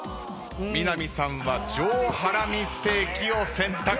南さんは上ハラミステーキを選択。